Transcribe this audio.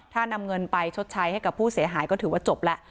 ถ้านำเงินไปชดใช้ให้กับผู้เสียหายก็ถือว่าจบแล้ว